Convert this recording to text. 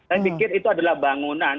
saya pikir itu adalah bangunan